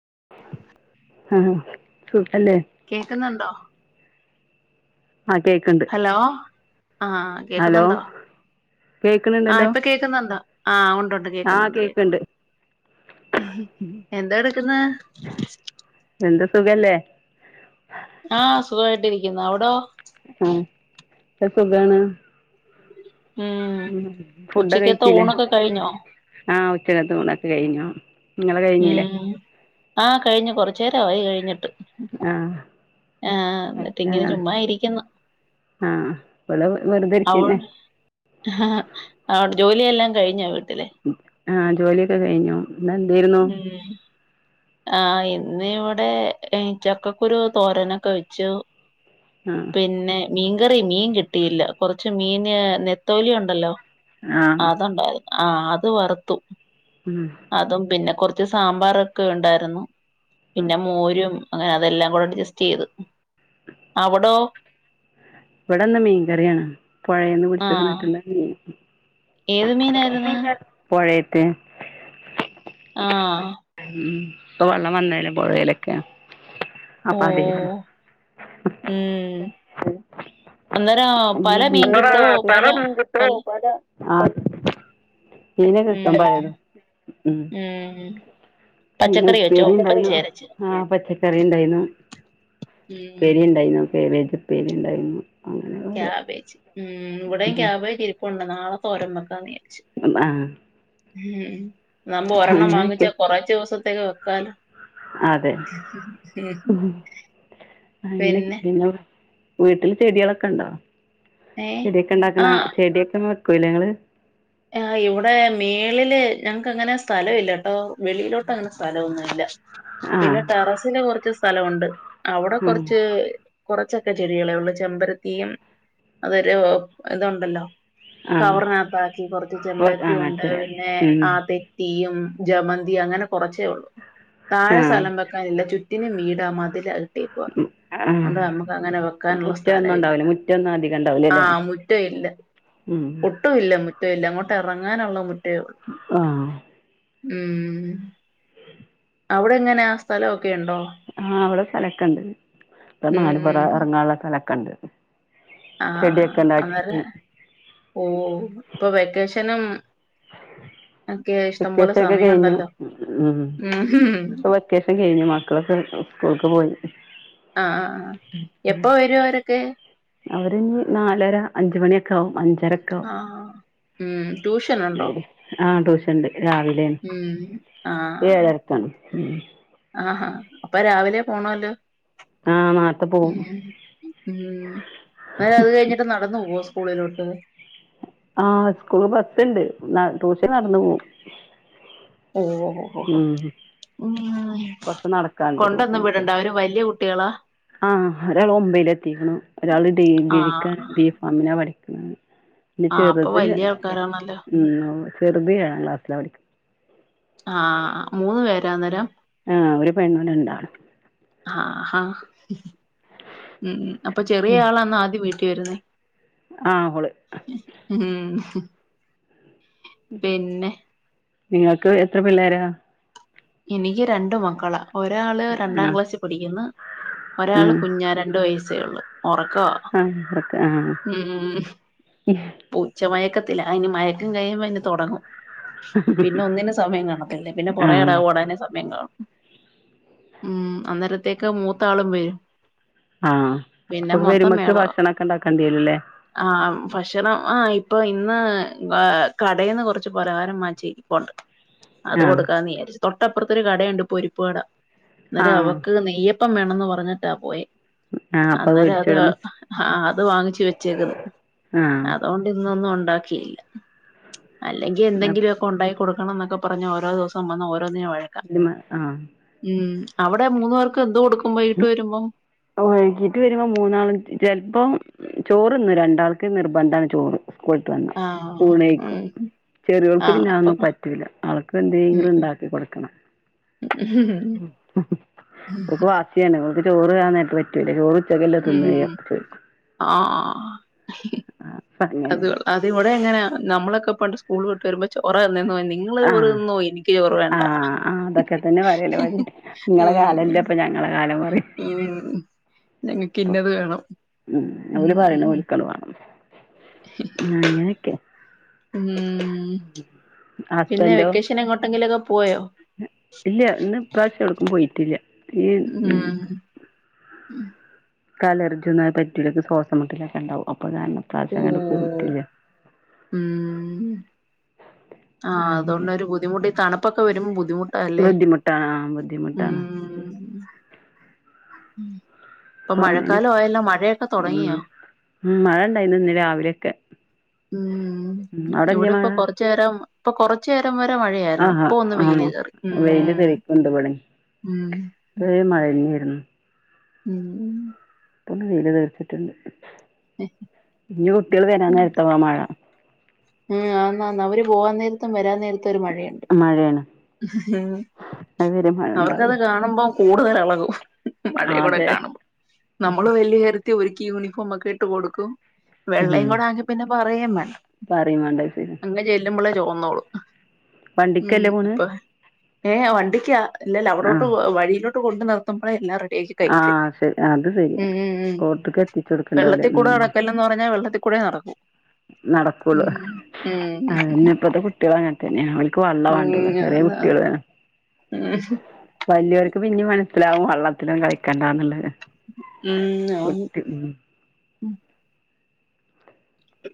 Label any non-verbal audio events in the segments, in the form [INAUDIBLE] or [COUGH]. ആ [UNINTELLIGIBLE] കേക്കുന്നുണ്ടോ ആ കേക്ക്ണ്ട് ഹലോ ആഹ ഹലോ കേക്കുന്നുണ്ടോ ആഹ കേക്ക്ണുണ്ടല്ലോ ഇപ്പൊ കേൾക്കുന്നുണ്ട് ആഹ ഉണ്ട്ുണ്ട് ആ കേക്കുന്നുണ്ട് കേക്ക്ണ്ട് കേക്കുന്നുണ്ട് എന്താ എടുക്കുന്ന സഖല്ലേ സുഖമായിട്ടിരിക്കുന്ന അവിടോ ആഹ ഇവിടെസുഖാണ് ഉം ഉ ഫുഡ ഉച്ചക്കത്തെ കഴിച്ചില്ലേ ഊണൊക്കെ കഴിഞ്ഞോ ആഹ ഉച്ചക്കത്തൂണൊക്കെ കഴിഞ്ഞു നിങ്ങള് കഴിഞ്ഞല്ലേ ആ കഴിഞ്ഞകുറച്ചു നേരമായി കഴിഞ്ഞിട്ട് ആ ആഹ എന്നിട്ട് ഇങ്ങനെ ചുമ്മാ ഇരിക്കുന്നു ആഹ ഇവിടെവെറുതെരിക്കന്നെ ആ അവിടെ ജോലിയെല്ലാം കഴിഞ്ഞോ വീട്ടില് ആഹ ജോലിയൊക്കെ കഴിഞ്ഞു ഇന്ന എന്തായിരുന്നു ആ ഇന്ന് ഇവിടെ ചക്കക്കുരു തോരനൊക്കെ വെച്ചു ആ പിന്നെ മീൻകറി മീൻ കിട്ടിയില്ല കുറച്ച് മീന് നെത്തോലി ഉണ്ടല്ലോ ആ അതുണ്ടായിരുന്നു ആഹ അത് വറുത്തു ഉം അതും പിന്നെ കുറച്ച് സാമ്പാറൊക്കെ ഉണ്ടായിരുന്നു ഉം പിന്നെ മോരും അങ്ങനെ അതെല്ലാം കൂടെ അഡ്ജസ്റ്റ് ചെയ്ത് അവിടോ ഇവിടെന്ന മീൻ കറിയാണ് പുഴയന്ന് ആ പിടിച്ചിരുന്നിട്ടുള്ള മീൻ ഏത് മീനായിരുന്നു പുഴേല്ത്ത ആഹ ഉ ഇപ്പൊ വെള്ളം വന്നെല പുഴയിലൊക്കെ ഓ അപ്പൊ അതേരുന്നു ഉം അന്നേരം പല മീൻ അങ്ങനെ കിട്ടോ പല പല ആഹ ഉം മീനകിട്ടും പലത് ഉ ഉം പിന്നെ പച്ചക്കറി വെച്ചോ ഉപ്പേരിണ്ടായി പച്ചയരച്ച് ആഹ പച്ചക്കറി ഉണ്ടായിന്ന ഉം പേരി ഉണ്ടായിരുന്നുക്കെബേജ പേരി ഉണ്ടായിരുന്നു ക്യാബേജ്ഉ ഇവിടെയും ക്യാബേജ് ഇരിപ്പണ്ട് നാളെ തോരൻ വയ്ക്കാന്ന് വിചാരിച്ച് അ ആഹ് ഉം നമ്മ ഒരെണ്ണം അങ്ങനെയൊക്കെ വാങ്ങിച്ചാ കൊറച്ച ദിവസത്തേക്ക് വെക്കാല അതെ അങ്ങനെ പിന്നെ വീട്ടില് ചെടികളൊക്കെ ഇണ്ടോ ഏ ചെടിയൊക്കെ ഇണ്ടാക്കുന്ന ആഹ് ചെടികളൊക്കെ വെക്കൂല്ല ങ്ങള് ആഹ് ഇവിടെ മേളില് ഞങ്ങക്ക് അങ്ങനെ സ്ഥലം ഇല്ല കേട്ടോ വെളിയിലോട്ട് അങ്ങനെ സ്ഥലമൊന്നും ഇല്ല ആഹ് പിന്നെ ടെറസിലെ കുറച്ച് സ്ഥലമുണ്ട് അവിടെ ആഹ് കുറച്ച് കുറച്ചൊക്കെ ചെടികളേ ഒള്ളൂ ചെമ്പരത്തിയും അതൊരു ഇതുണ്ടല്ലോ കവറിനകത്താക്കി കൊറച്ച് ചെമ്പരത്തി ആഹ് ഉണ്ട് ആഹ് പിന്നെ ഉം ആ തെറ്റിയും ജമന്തി അങ്ങനെ കൊറച്ചേ ഒള്ളു താഴെ ആഹ് സ്ഥലം വെക്കാനില്ല ചുറ്റിനും വീടാ മതിലാ ഇപ്പോ ആഹ് അതാ നമക്ക് അങ്ങനെ വെക്കാനുള്ള മുറ്റൊന്നും സ്ഥലയില്ല ഉണ്ടാവൂല മുറ്റൊന്നും അധികം ഉണ്ടാവൂല അല്ലേ ആഹ മുറ്റയി ല്ല ഉം ഒട്ടുല്ല മുറ്റയില്ല അങ്ങോട്ട് എറങ്ങാനുള്ള ആഹ ഉം ഉ [UNINTELLIGIBLE] ഔടങ്ങനാ സ്ഥലോ ആ അവടെ സ്ഥലൊക്കെ ഇണ്ട് ഇപ്പം നാല് പൊറ ഉം എറങ്ങാള സ്ഥലക്കെ ഇണ്ട് ആഹ അന്നേര ഓ ഇപ്പൊ വെക്കേഷനും ഒക്കെ വെക്കേഷ ഇഷ്ടംപോലെ ക്കെ കഴിഞ്ഞു സമയമുണ്ടല്ലോ ഉം ഉം ഇപ്പ വൊക്കേഷൻ കഴിഞ്ഞു മക്കളൊക്കെ സ്കൂൾക്ക് പോയി ആ ആ ആ എപ്പോ വരും അവരൊക്കെ അവര് നാലര അഞ്ച് മണിയൊക്കെ ആവും അഞ്ച് ആഹ് ആഹ ശരി ആ ട്യൂഷൻണ്ട് രാവിലെണ് ഉം ഏഴരക്കാണ് ഉം ആ ആഹ് അപ്പൊ രാവിലെ പോണല്ലോ ആഹ് നേരത്തെ പോവും ഉം ഉം എന്നാല് അത് കഴിഞ്ഞാട്ട് നടന്ന് പോവോ സ്ക്കൂളിലോട്ട് ആഹ് സ്കൂള് ബസ്സുണ്ട് ന ട്യൂഷന് നടന്നു പോവും ഓ ഓഹ് ഓഹ് ഓഹ് ഉം ഉം കൊറച്ച് നടക്കാണ്ട് കൊണ്ടന്ന് ട്യൂഷൻക്ക് വിടണ്ട അവര് വല്ല്യ കുട്ട്യേ ആഹ് ഒരാളെ ഒമ്പയില് എത്തിക്കെണ് ഒരാളെ ഡി വെരിക്കാണ് ആഹ് ബീഫാമിനാണ് പഠി പിന്നെ ആഹ് അപ്പൊ ചെറുത് വല്യ ആൾക്കാരാണല്ലോ ഉം ചെറുത് ഏഴാം ക്ലാസ്സിലാ പടിക്ക് ആഹ് ആ മൂന്ന് പേരാന്നേരം ആഹ് ഒരു പെണ്ണും രണ്ടാണും ആഹ് ഹാ ഉം ഉം അപ്പോ ഉം ചെറിയ ആളാന്ന ആദ്യം വീട്ടിൽ വരുന്നേ ആഹ് ഓള് ഉം പിന്നെ നിങ്ങക്ക് എത്ര പിള്ളേരാ എനിക്ക് രണ്ട് മക്കളാ ഒരാളെ ആഹ് രണ്ടാം ക്ലാസ്സിൽ പഠിക്കുന്നു ഒരാള ആഹ് കുഞ്ഞാ രണ്ട് വയസ്സേ ഒള്ളു ഒറക്കാവാ ആഹ് ഇവർക്ക് ആഹ് ഉം ഉം ഉം ഉച്ച മയ ത്തില്ല അയിന് മയക്കം കയ്യുമ്പോ പിന്നെ തൊടങ്ങും പിന്നെ ഒന്നിനും സമയം കാണത്തില്ല പിന്നെ പോറേ ആഹ് ഓടാനെ സമയം കാണൂ, ഉം അന്നേരത്തേക്ക് മൂത്താളും വരും ആഹ് പിന്നെ അപ്പൊ മൊത്തം വെരുമക്ക് മേളവാ ഭക്ഷണവക്കെ ഇണ്ടാക്കേണ്ടിരുല്ലേ? ആഹ് ഭക്ഷണം ആയി ഇപ്പൊ ഇന്ന് കടരന്ന് കൊറച്ച് പലഹാരം വാങ്ങിച്ചേരിപ്പോണ്ട് അത് ആഹ് കൊടുക്കാന്ന് വിചാരിച്ചു തൊട്ടപ്പുറത്ത് ഒരു കടയുണ്ട് പൊരിപ്പ് കട അന്നേരം ആഹ് അവൾക്ക് നെയ്യപ്പം പ്പം വേണന്ന് പറഞ്ഞിട്ടാ പോയേ ആഹ് അപ്പൊ അന്നേരം അത് വേടിച്ചോട്ന്ന് ആ അത് വാങ്ങിച്ചു വെച്ചേക്ക്ന്നു ആഹ് അതുകൊണ്ട് ഇന്നൊന്നും ഒണ്ടാ ഒണ്ടാക്കീല്ല അല്ലെങ്കിൽ എന്തെങ്കിലൊക്കെ ഉണ്ടാക്കി കൊടുക്കണം എന്നൊക്കെ പറഞ്ഞ് ഓരോ ദിവസം വന്ന് ഓ ന്നിനും വഴക്കാ ആഹ് ഉം അവടെ മൂന്ന് പേർക്കും എന്തോ കൊടുക്കും വൈകിട്ട് ഉം വരുമ്പം വൈകീട്ട് വരുമ്പോ മൂന്നാളും ചെലപ്പം ചോറ്ന്നും രണ്ടാൾക്ക് നിർബന്ധാണ് ചോറ് സ്കൂള്ട്ട് വന്നാൽ ആഹ് ഊണഴിയ്ക്കും ഉം ചെറ്യോൾക്ക് ആഹ് പിന്നെ അപ്പൊ അതൊന്നും പറ്റൂല ആവൾക്ക് ഉം എന്തെങ്കിലും ഇണ്ടാക്കി കൊടുക്കണം ഉം ഓൾക്ക് വാശിയാണ്ഓക്ക് ചോറ് ആ നേരത്ത് പറ്റൂല ചോറ് ഉച്ചക്ക്ല്ലേ തിന്നേ യ്യ ഉം ങി ആഹ് അപ്പങ്ങനെ ഇവടെ അങ്ങനാ നമ്മളൊക്കെ പണ്ട് സ്കൂൾ വിട്ട് വരുമ്പോ ചോറാ തിന്നേന്ന് നിങ്ങള് ചോറ് ആഹ് തിന്നോ എനിക്ക് ചോറ് ആ വേണ്ട അതൊക്കെ തന്നെ പറയല് ഓല് ഇങ്ങള ഉം കാലല്ലപ്പ ഞ ഞങ്ങള കാലം പറയും ഉം ഞങ്ങക്ക് ഇപ്പൊ ഇന്നത് വേണം ഉം അങ്ങനെക്കെയാ ഉം പിന്നെ ഹസ്ബന്റോ വെക്കേഷൻ എങ്ങോട്ടെങ്കിലൊക്കെ പോയോ ഇല്ല ഇന്നിപ്രാവശ്യം എവ്ടുക്കും പോയിട്ടില്ല ഈ ഉം ഇക്ക് അലർജിയൊന്നും അങ്ങന പറ്റൂല ഇക്ക് ശ്വാസമുട്ടലൊക്കെ ഉണ്ടാവും അപ്പൊ കാരണം ഇപ്രാവശം എങ്ങടും പോയി പോയിട്ടില്ല ആ അങ്ങനെ അതുകൊണ്ടൊരു ബുദ്ധിമുട്ട് ഈ തണുപ്പൊക്കെ വരുമ്പോ ബുദ്ധിമുട്ടാല്ലേ ആ ബുദ്ധിമുട്ടാണ് ബുദ്ധിമുട്ടാണ് ഉം ഇപ്പൊ അപ്പൊ അങ്ങനെ മഴക്കാലായല്ലോ മഴയൊക്കെ ഉം തൊടങ്ങിയോ? ഉം മഴണ്ടായിന്ന് ഇന്ന് രാവിലെയൊക്കെ ഉം ഉം അവിടെല്ലേ ഇവിടെ മഴ ഇപ്പൊ കൊറച്ചേരം ഇപ്പൊ കൊറച്ചേരം ച്ചേരം വരെ മഴയായിരുന്നു ആഹാ ഇപ്പൊ ഒന്ന് ആ വെയില് കേറി ഉം ഉം മഴന്നേയിരുന്നു ഉം ഇപ്പൊ വെയില് തീർച്ചിട്ടുണ്ട് ഇഞ് കുട്ടികൾ വരാന്നേരത്താവാ മഴ ഉം ആന്നാന്ന്‌ അവര് പോകാൻ നേരത്തും വരാൻ നേരത്തും ഒരു മഴയുണ്ട് മഴയാണ് ഉം അതുവരെ മഴ അവർക്കത് ഉണ്ടാവൂല കാണുമ്പോ കൂടുതലെളകും ആ മഴെങ്ങൂട അതെ കാണുമ്പോൾ നമ്മള് വലിയ കാര്യത്തി ഒരിക്കി യൂണി ഫോമക്കിട്ടു കൊടുക്കും ഉം വെള്ളയും കൂടൊണങ്കിൽ പിന്നെ പറയേം വേണ്ട പറയും വേണ്ട ശരി [UNINTELLIGIBLE] ന്നോളൂ വണ്ടിക്കല്ലേ പോണ് ഏ വണ്ടിക്കാ ല്ലലവ്ടോട്ട് ആഹ് വഴിയിലോട്ട് കൊണ്ട് നിർത്തുമ്പോഴേ എല്ലാ റെഡി [UNINTELLIGIBLE] ആഹ് ശരി അത് ശരിയാണ് ഉം കോർട്ട്ക്ക് എത്തിച്ചു കൊടുക്കണ്ടാവൂല വെള്ളത്തിക്കൂട നടക്കല്ലന്ന് പറഞ്ഞാ വെള്ളത്തി കൂടെ നടക്കു നടക്കൂള്ളു അഅന്നെ ഇപ്പത്തെ കുട്ടികള അങ്ങനതന്നെയ ഓല് ക്ക് വള്ള വാണ്ടുള്ളു ഉം ചെറിയ അതാ കുട്ടികള് ഉം വല്യവർക്ക് പിന്നേം മനസ്സിലാവും വള്ളത്തിലൊന്നും കളിക്കണ്ടാന്നുള്ളത് ഉം അതാണ് കുട്ടി ഉം ഉം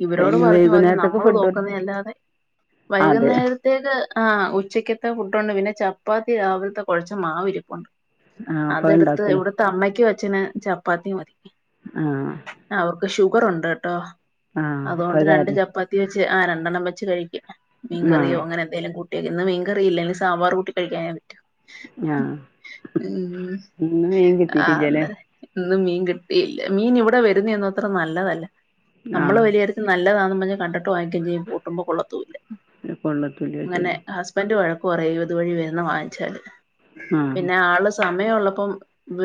ഇവരോട് പിന്നെ പറഞ്ഞു പറഞ്ഞ് വൈകുന്നേരത്തേക്ക് നമ്മള് ഫുഡ് തോക്കുന്ന അല്ലാതെ അതെ വൈകുന്നേരത്തേക്ക് ആ ഉച്ചക്ക ത്ത ഫുഡ്ണ്ട് പിന്നെ ചപ്പാത്തി രാവിലത്തെ കുഴച്ച മാവിരിപ്പുണ്ട് ആഹ് അപ്പ അതെടുത്ത് ഇണ്ടാക്കൂല ഇവിടത്ത അമ്മയ്ക്കും അച്ചന് ചപ്പാത്തി മതി ആ ഷുഗറൊണ്ടെട്ടോ അപ്പ അതുകൊണ്ട് അത് രണ്ട് കാരണം ചപ്പാത്തി വെച്ച് ആ രണ്ടെണ്ണം വെച്ച് കഴിക്കും മീൻകറിയോ ആഹ് അങ്ങനെ എന്തേലും കൂ ട്ടിയേ ഇന്ന് മീൻകറിയില്ലനി സാമ്പാർ കൂട്ടി കഴിക്കാൻ ആഹ് ഉം ഇന്ന് മീൻ ആ കിട്ടീട്ടില്ലല്ലേ അന്നെ ഇന്ന്‌ മീൻ കിട്ടിയില്ല മീൻ ഇവിടെ വരുന്നയൊന്നും അത്ര നല്ലതല്ല നമ്മള് ആഹ് വലിയാര്യത്തി നല്ലതാണെന്ന് പറഞ്ഞ കണ്ടട്ട് വാങ്ങിക്കേം ചെയ്യും കൂട്ടുമ്പോ കൊളളത്തൂല്ല കൊള്ളത്തൂല്ല അങ്ങനെ ശരി ഹസ്ബന്റ് വഴക്ക് ക്കുവറയും ഇതുവഴി വരുന്ന വാങ്ങിച്ചാല് ആഹ് പിന്നെ ആള് സം സമയുള്ളപ്പം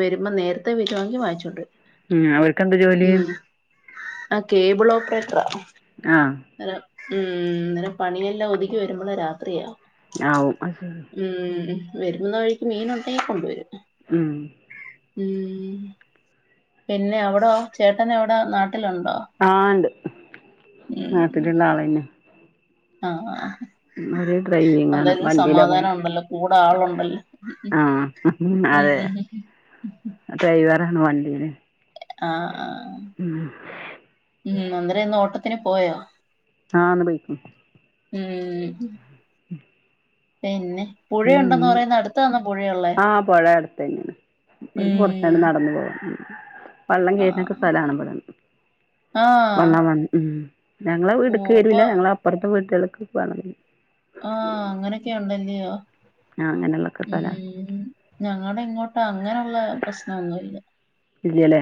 വരുമ്പോ നേരത്തെ വെരുവാങ്കി വാങ്ങിച്ചോണ്ട് വരും ഉം അവർക്ക് എന്താ ജോലി ഉം ആ കേബിൾ ഓപ്പറേറ്ററാ ആഹ് അ ഉം അനേരം പണിയെല്ലാം ഒതുക്കി വരുമ്പോള് രാത്രിയാ ആവും അ ശരി വരുന്ന വഴിക്ക് മീൻ ഉണ്ടെങ്കിൽ കൊണ്ടുവരും ഉം ഉം പിന്നെ അവിടെ ചേട്ടനെ എവിടെ നാട്ടി- ആ ഉണ്ട് നാട്ടിലുള്ള ആള് തന്നെ ആ ആ ഡ്രൈവിംഗ് ആണ് എന്തായാലും വണ്ടിയിലാ പോണെ സമാധാനം ഉണ്ടല്ലോ കൂടെ ആളുണ്ടല്ലോ ഉം ഡ്രൈവാണ് വണ്ടി ആ ആ ഉം ഉം അന്നരംഇന്ന് ഓട്ടത്തിന് പോയോ ആ ഇന്ന് ബൈക്കിൽ ഉം പിന്നെ പുഴയുണ്ടന്ന് ഉം പറയുന്ന അടുത്ത ആണോ പുഴയുള്ളേ ആഹ് പൊഴ അടുത്തന്നെയാണ് ഇവിടുന്ന് ഉം കുറച്ചണ്ട് നടന്നു പോകും വള്ളം കഴുന്നക്കെ ആഹ് സ്ഥലമാണ് ഇടെ ആഹ് വള്ളം വ ഉം ഞങ്ങളെ ഓ വീടക്ക് അപ്പൊ വരിമല്ല ഞങ്ങള അപ്പുറത്തെ വീട്ടുകൾക്ക് വരും ആ അങ്ങനൊക്കെ ഉണ്ടല്ലയോ ആ അങ്ങനെ ഉം ഞങ്ങളടെ ഇങ്ങോട്ട് അങ്ങനെയുള്ള പ്രശ്നമൊന്നുമല്ല ഇല്ലല്ലേ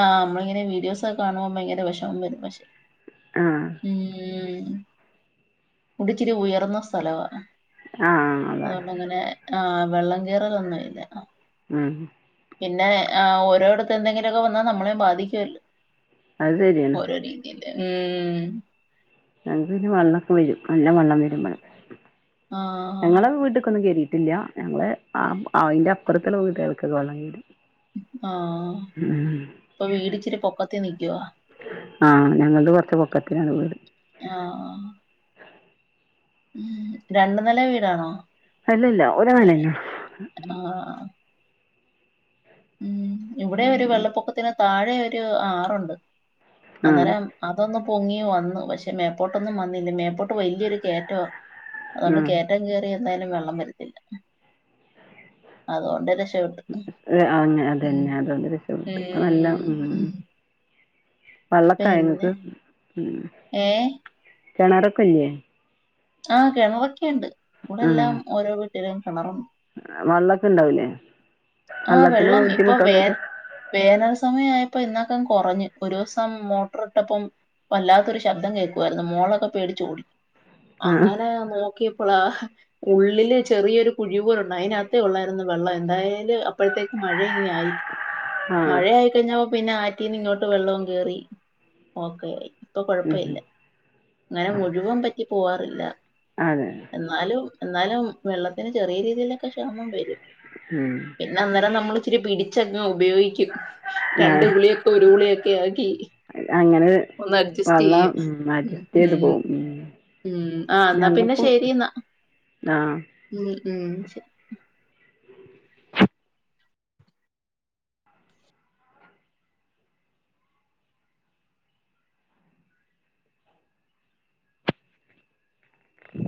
ആ നമ്മളിങ്ങനെ വീഡിയോസ് ഒക്കെ കാണുമ്പോ ഭയങ്കര വിഷമം വരും പക്ഷെ ആഹ് ഉം ഇതിച്ചിരി ഉയർന്ന സ്ഥലവാ ആ ആ അതാ അതുകൊണ്ട് അങ്ങനെ ആ വെള്ളം കേറുയതൊന്നും ഇല്ല ആ പിന്നെ ഓരോടുത്ത് എന്തെങ്കിലുമൊക്കെ വന്നാൽ നമ്മളെയും ബാധിക്കുവല്ലോ അത് ശരിയാണ് ഉം ഞങ്ങക്ക് പിന്നെ വെള്ളമൊക്കെ വരും നല്ല വെള്ളം വരും ഇവിടെ ആ ഞങ്ങടെ വീട്ടക്കൊന്നും കേറി- കിട്ടില്ല ഞങ്ങള് അതിന്റെ അപ്പുറത്തു റൂമിക്കാർക്കൊക്കെ വെള്ളം കേറും ആ ഉം അപ്പൊ വീട് ഇച്ചിരി പൊക്കത്തി നൽക്കുവാ ആ ഞങ്ങളുടെ കൊറച്ച് പൊക്കത്തിനാണ് വീട് ആ ആ രണ്ടു നില വീടാണോ അല്ലല്ല ഒരുനെല അതെ. തന്നെ ആ ഉം ഇവിടെ ഒരു വെള്ളപ്പൊക്കത്തിന് താഴെ ഒരു ആറുണ്ട് ആഹ് അന്നേരം അതൊന്നു പൊങ്ങി വന്നു പക്ഷെ മേപ്പോട്ടൊന്നും വന്നില്ല മേപ്പോട്ട് വലിയൊരു കേറ്റമാ അതുകൊണ്ട് ആഹ് കേയറ്റം കേയറി എന്തായാലും വെള്ളം വരത്തില്ല അതുകൊണ്ട് രക്ഷ- അതെ അതെ അതന്നെ അതൊണ്ട് രക്ഷപെട്ട് അത് നല്ല ഉം. പിന്നെ പള്ളത്തായിനിങ്ങക്ക് ഏ കിണറക്കെയില്ലേ ആ കിണറൊക്കെുണ്ട് ഇവിടെ എല്ലാം ഓരോ വീട്ടിലും കിണറുണ്ട് വെള്ളൊക്കെ ഇണ്ടാവൂലേ ആ വെള്ളത്തിന് വെള്ളം ഇപ്പൊ വേ ബുദ്ധിമുട്ടൊന്നുല്ല? വേനൽ സമയയ- അപ്പൊ ഇതിനാത്തങ്ങ് കുറഞ്ഞ് ഇ ഒരു ദിവസം മോട്ടർ ഇട്ടപ്പം വല്ലാത്തൊരു ശബ്ദം കേൾക്കുവായിരുന്നു മോളൊക്കെ പേടിച്ച് ഓടി ആഹ് അങ്ങനെ നോക്കിയപ്പോൾ ഉള്ള ഉള്ളില് ചെറിയൊരു കുഴിവൂലണ്ട് അതിനകത്ത ഉള്ളായിരരുന്നു വെള്ളം എന്തായാലും അപ്പഴത്തേക്ക് മഴ ആയി ആഹ് മഴ ആയി കഴിഞ്ഞ പിന്നെ ആറ്റീന് ഇങ്ങോട്ട് വെള്ളവും കേറി ഓക്കൊയി ഇപ്പൊ കൊഴപ്പമില്ല ഉം അങ്ങനെ മുഴുവൻ പറ്റി പോവാറില്ല അതെ. എന്നാലും എന്നാലും വെള്ളത്തിന് ചെറിയ രീതിയിലൊക്കെ ക്ഷാമം വരും ഉം പിന്നെ അന്നരം നമ്മള ഇിരി പിടിച്ചങ് ഉപയോഗിക്ക രണ്ട ആഹ് ഗുളിയൊക്കെ ഒരു ഗുളിയൊക്കെ ആക്കി അങ്ങനെ ഒന്ന് അഡ്ജസ്റ്റ് വള്ളം ചെയ്യ ഉം അഡ്ജസ്റ്റ് ഉ ചെയ്ത് പോവും ഉം ഉം ആ എന്നാ പിന്നെ ഞങ്ങൾക്കും ശരി എന്നാ ആഹ് ഉ ഇ